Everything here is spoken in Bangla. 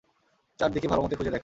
চারদিকে ভালোমতো খুঁজে দেখ।